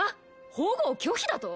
保護を拒否だと？